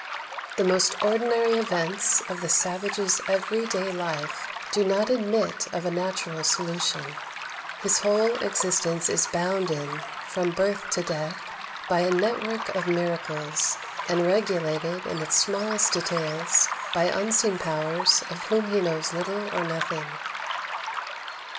The most ordinary events of the savage's every day life do not admit of a natural solution; his whole existence is bound in, from birth to death, by a network of miracles, and regulated, in its smallest details, by unseen powers of whom he knows little or nothing.